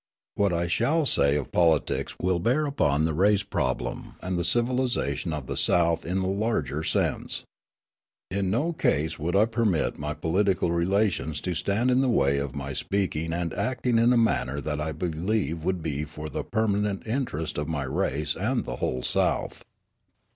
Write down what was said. What I shall say of politics will bear upon the race problem and the civilisation of the South in the larger sense. In no case would I permit my political relations to stand in the way of my speaking and acting in the manner that I believe would be for the permanent interest of my race and the whole South.